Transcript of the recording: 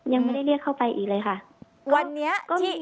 ยังไม่ได้เรียกเข้าไปอีกเลยค่ะวันนี้